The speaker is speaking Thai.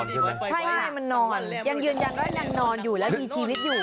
ใช่ไงมันนอนยังยืนยันว่ายังนอนอยู่แล้วมีชีวิตอยู่